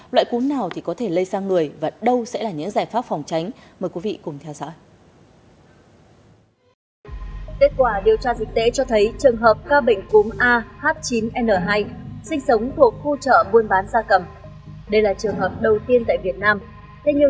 loại cúm nào có thể lây sang người và đâu sẽ là những giải pháp phòng tránh